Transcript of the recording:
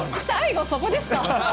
最後、そこですか。